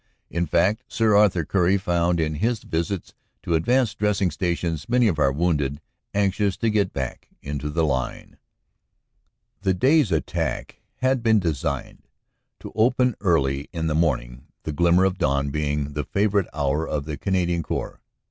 In fact Sir Arthur Currie found in his visits to advanced dressing stations many of our wounded anxious to get back into the line. The day s attack had been designed to open early in the morning, the glimmer of dawn being the favorite hour of the Canadian Corps.